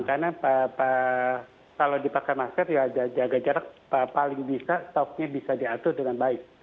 karena kalau dipakai masker ya jaga jarak paling bisa stoknya bisa diatur dengan baik